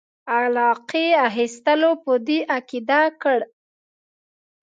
علاقې اخیستلو په دې عقیده کړ.